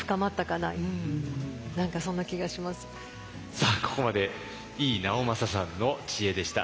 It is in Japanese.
さあここまで井伊直政さんの知恵でした。